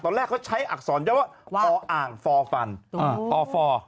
ตอนแรกเขาใช้อักษรยะว่าปอ่างฟอร์ฟันอฟอร์